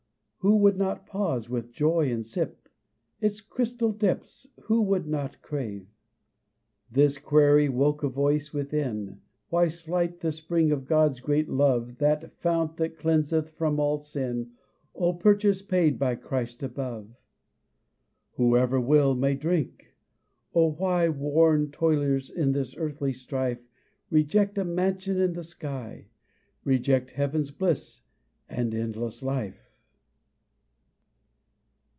Who would not pause with joy and sip? Its crystal depths who would not crave? This query woke a voice within Why slight the spring of God's great love, That fount that cleanseth from all sin, Our purchase paid by Christ above? Whoever will may drink! Oh, why, Worn toilers in this earthly strife, Reject a mansion in the sky, Reject heaven's bliss and endless life?